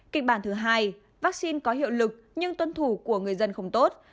kịch bản thứ hai vaccine có hiệu lực nhưng tuân thủ của người dân không tốt